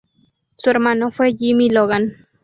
Su hermano fue Jimmy Logan.